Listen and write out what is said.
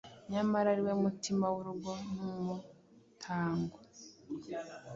Nyamara ari we mutima w’urugo numurtango,